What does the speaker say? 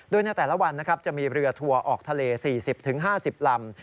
โดยในแต่ละวันนะครับจะมีเรือทัวร์ออกทะเล๔๐๕๐ลำ